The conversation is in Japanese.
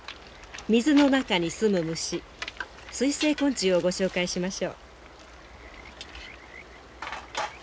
水の中にすむ虫水生昆虫をご紹介しましょう。